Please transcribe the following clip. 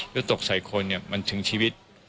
แล้วตกใส่คนมันถึงชีวิต